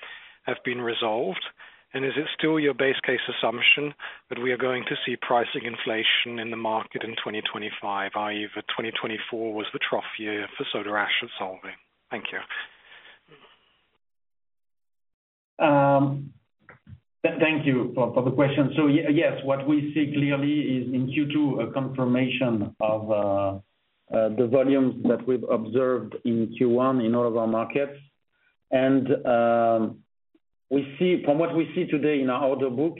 have been resolved? Is it still your base case assumption that we are going to see pricing inflation in the market in 2025, i.e., that 2024 was the trough year for Soda Ash at Solvay? Thank you. Thank you for the question. So yes, what we see clearly is in Q2 a confirmation of the volumes that we've observed in Q1 in all of our markets. From what we see today in our order book,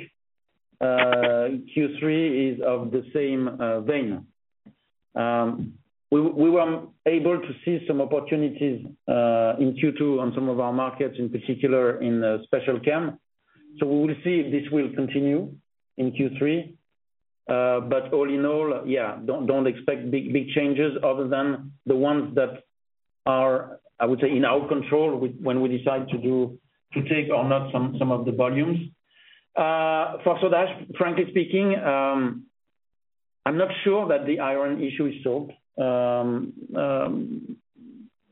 Q3 is of the same vein. We were able to see some opportunities in Q2 on some of our markets, in particular in Special Chem. So we will see if this will continue in Q3. But all in all, yeah, don't expect big changes other than the ones that are, I would say, in our control when we decide to take or not some of the volumes. For Soda Ash, frankly speaking, I'm not sure that the iron issue is solved.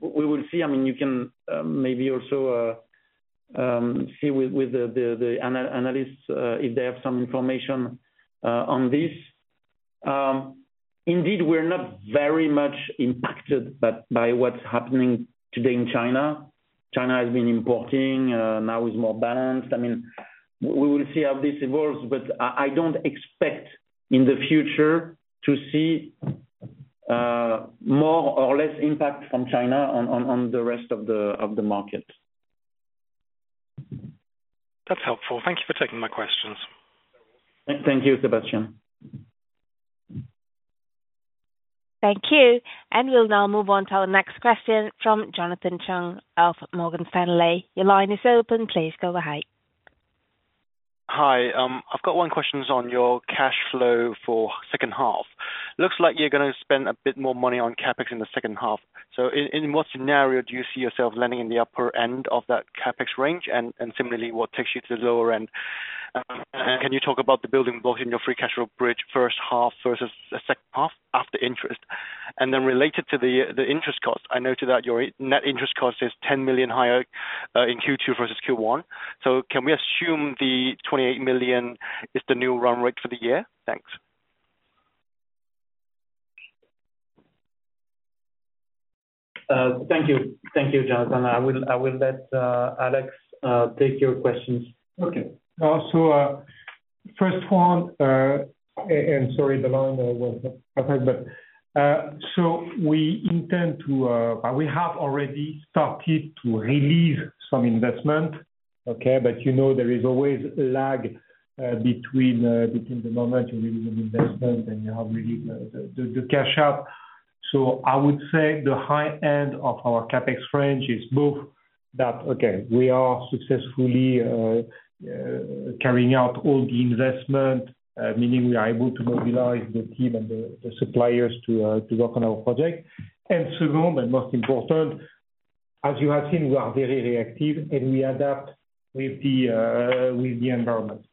We will see. I mean, you can maybe also see with the analysts if they have some information on this. Indeed, we're not very much impacted by what's happening today in China. China has been importing. Now it's more balanced. I mean, we will see how this evolves, but I don't expect in the future to see more or less impact from China on the rest of the market. That's helpful. Thank you for taking my questions. Thank you, Sebastian. Thank you. We'll now move on to our next question from Jonathan Chung of Morgan Stanley. Your line is open. Please go ahead. Hi. I've got one question on your cash flow for the second half. Looks like you're going to spend a bit more money on CapEx in the second half. So in what scenario do you see yourself landing in the upper end of that CapEx range? And similarly, what takes you to the lower end? And can you talk about the building blocks in your free cash flow bridge, first half versus the second half after interest? And then related to the interest costs, I noted that your net interest cost is 10 million higher in Q2 versus Q1. So can we assume the 28 million is the new run rate for the year? Thanks. Thank you. Thank you, Jonathan. I will let Alex take your questions. Okay. So first one, and sorry, the line was cut off, but so we intend to we have already started to release some investment, okay? But there is always a lag between the moment you release an investment and you have released the cash out. So I would say the high end of our CapEx range is both that, okay, we are successfully carrying out all the investment, meaning we are able to mobilize the team and the suppliers to work on our project. And second, and most important, as you have seen, we are very reactive and we adapt with the environment.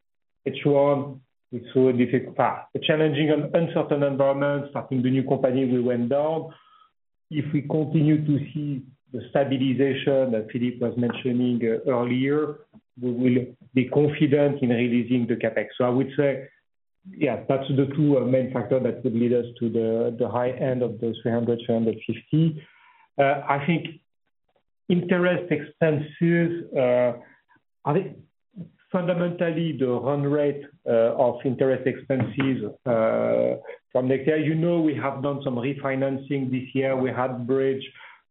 H1 is a difficult path. A challenging and uncertain environment, starting the new company, we went down. If we continue to see the stabilization that Philippe was mentioning earlier, we will be confident in releasing the CapEx. So I would say, yeah, that's the two main factors that would lead us to the high end of the 300-350. I think interest expenses, fundamentally, the run rate of interest expenses from next year. You know we have done some refinancing this year. We had bridge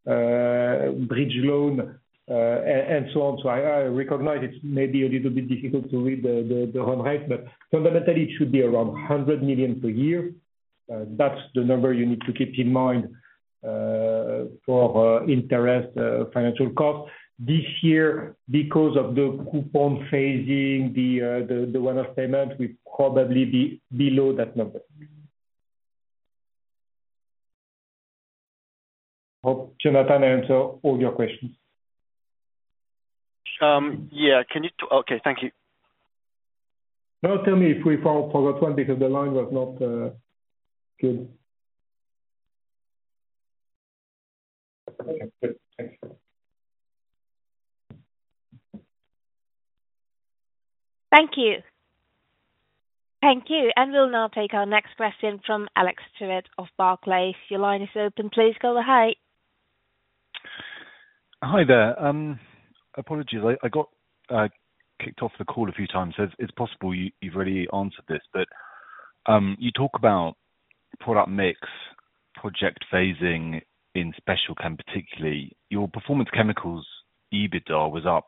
loan and so on. So I recognize it's maybe a little bit difficult to read the run rate, but fundamentally, it should be around 100 million per year. That's the number you need to keep in mind for interest financial costs. This year, because of the coupon phasing, the one-off payment, we probably be below that number. Hope Jonathan answered all your questions. Yeah. Okay. Thank you. No, tell me if I forgot one because the line was not good. Thank you. Thank you. And we'll now take our next question from Alex Stewart of Barclays. Your line is open. Please go ahead. Hi there. Apologies, I got kicked off the call a few times. It's possible you've already answered this, but you talk about product mix, project phasing in Special Chem particularly. Your Performance Chemicals EBITDA was up,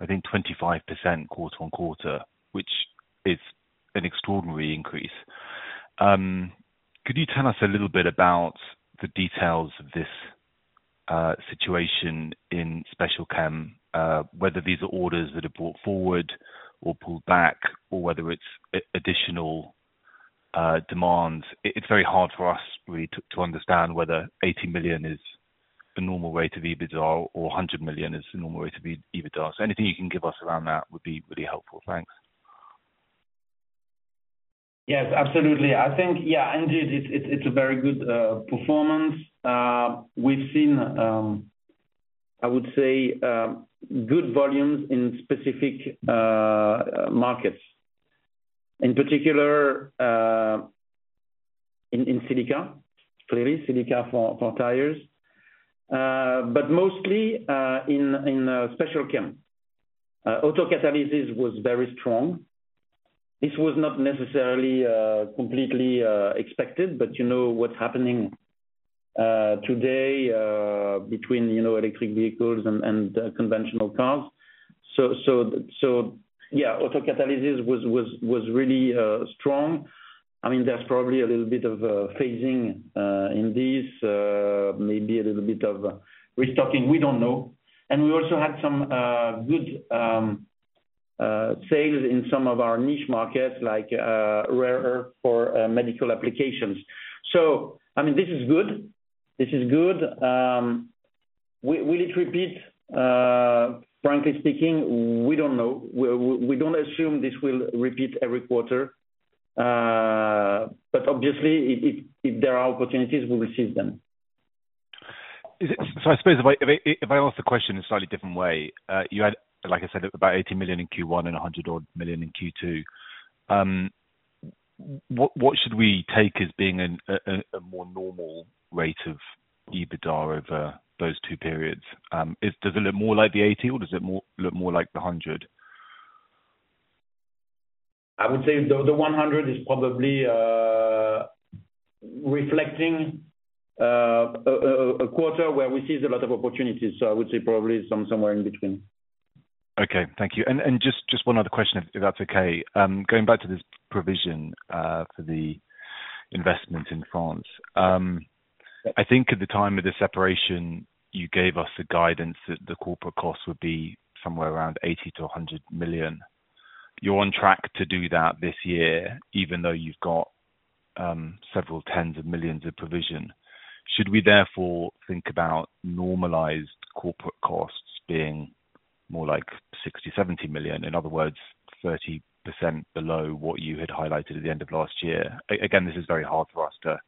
I think, 25% quarter-on-quarter, which is an extraordinary increase. Could you tell us a little bit about the details of this situation in Special Chem, whether these are orders that are brought forward or pulled back, or whether it's additional demands? It's very hard for us really to understand whether 80 million is the normal rate of EBITDA or 100 million is the normal rate of EBITDA. So anything you can give us around that would be really helpful. Thanks. Yes, absolutely. I think, yeah, indeed, it's a very good performance. We've seen, I would say, good volumes in specific markets, in particular in Silica, clearly, Silica for tires, but mostly in Special Chem. Autocatalysis was very strong. This was not necessarily completely expected, but you know what's happening today between electric vehicles and conventional cars. So, yeah, autocatalysis was really strong. I mean, there's probably a little bit of phasing in this, maybe a little bit of restocking. We don't know. And we also had some good sales in some of our niche markets, like Rare Earths for medical applications. So, I mean, this is good. This is good. Will it repeat? Frankly speaking, we don't know. We don't assume this will repeat every quarter. But obviously, if there are opportunities, we will seize them. So I suppose if I ask the question in a slightly different way, you had, like I said, about 80 million in Q1 and 100 million in Q2. What should we take as being a more normal rate of EBITDA over those two periods? Does it look more like the 80, or does it look more like the 100? I would say the 100 is probably reflecting a quarter where we see a lot of opportunities. So I would say probably somewhere in between. Okay. Thank you. And just one other question, if that's okay. Going back to this provision for the investment in France, I think at the time of the separation, you gave us the guidance that the corporate cost would be somewhere around 80 million-100 million. You're on track to do that this year, even though you've got several tens of millions EUR of provision. Should we therefore think about normalized corporate costs being more like 60 million-70 million? In other words, 30% below what you had highlighted at the end of last year. Again, this is very hard for us to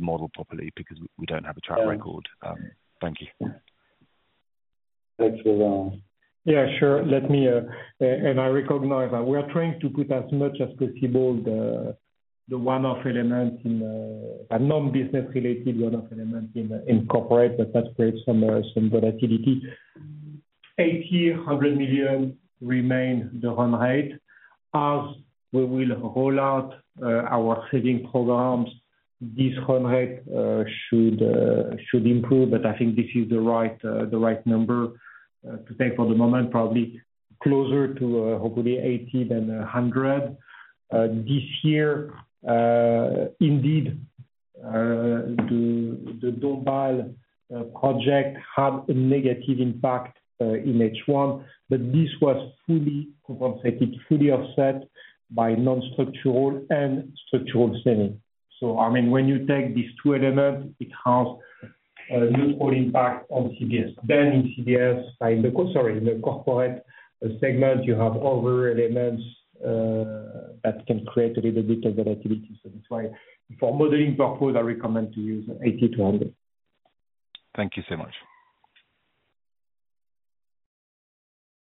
model properly because we don't have a track record. Thank you. Thanks for the. Yeah, sure. And I recognize that we are trying to put as much as possible the one-off element in a non-business-related one-off element in corporate, but that creates some volatility. 80 million-100 million remain the run rate. As we will roll out our saving programs, this run rate should improve, but I think this is the right number to take for the moment, probably closer to hopefully 80 than 100 this year. Indeed, the Dombasle project had a negative impact in H1, but this was fully compensated, fully offset by non-structural and structural saving. So, I mean, when you take these two elements, it has a neutral impact on CBS. Then in CBS, sorry, in the corporate segment, you have other elements that can create a little bit of volatility. So that's why for modeling purposes, I recommend to use 80-100. Thank you so much.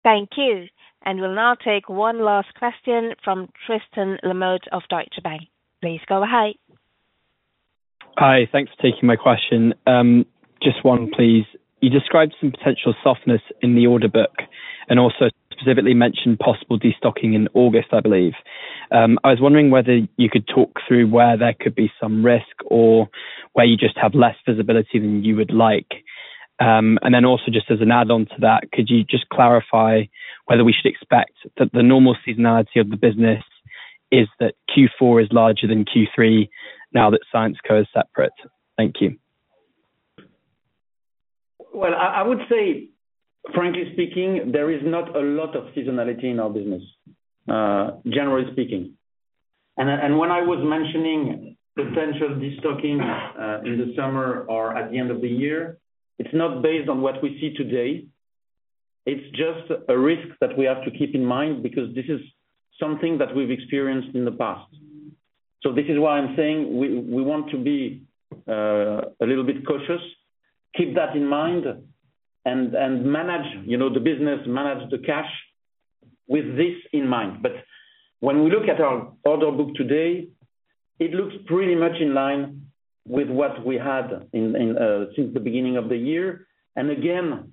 Thank you. And we'll now take one last question from Tristan Lamotte of Deutsche Bank. Please go ahead. Hi. Thanks for taking my question. Just one, please. You described some potential softness in the order book and also specifically mentioned possible destocking in August, I believe. I was wondering whether you could talk through where there could be some risk or where you just have less visibility than you would like. And then also just as an add-on to that, could you just clarify whether we should expect that the normal seasonality of the business is that Q4 is larger than Q3 now that Syensqo is separate? Thank you. Well, I would say, frankly speaking, there is not a lot of seasonality in our business, generally speaking. When I was mentioning potential destocking in the summer or at the end of the year, it's not based on what we see today. It's just a risk that we have to keep in mind because this is something that we've experienced in the past. This is why I'm saying we want to be a little bit cautious, keep that in mind, and manage the business, manage the cash with this in mind. When we look at our order book today, it looks pretty much in line with what we had since the beginning of the year. Again,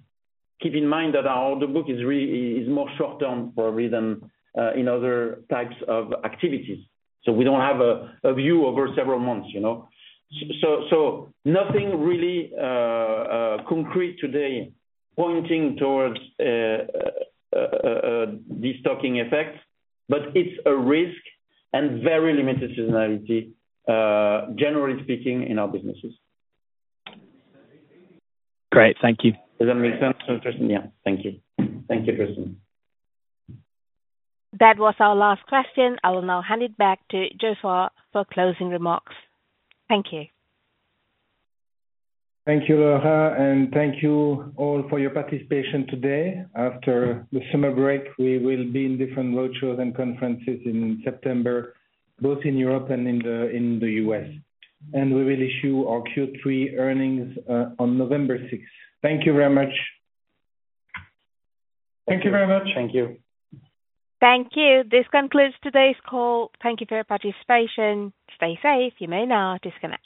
keep in mind that our order book is more short-term probably than in other types of activities. We don't have a view over several months. Nothing really concrete today pointing toward destocking effects, but it's a risk and very limited seasonality, generally speaking, in our businesses. Great. Thank you. Does that make sense, Tristan? Yeah. Thank you. Thank you, Tristan. That was our last question. I will now hand it back to Geoffroy for closing remarks. Thank you. Thank you, Laura. And thank you all for your participation today. After the summer break, we will be in different roadshows and conferences in September, both in Europe and in the US. And we will issue our Q3 earnings on November 6th. Thank you very much. Thank you very much. Thank you. Thank you. This concludes today's call. Thank you for your participation. Stay safe. You may now disconnect.